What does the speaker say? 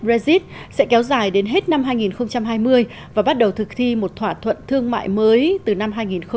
brexit sẽ kéo dài đến hết năm hai nghìn hai mươi và bắt đầu thực thi một thỏa thuận thương mại mới từ năm hai nghìn một mươi một